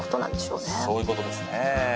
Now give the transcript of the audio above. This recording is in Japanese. そういう事ですね。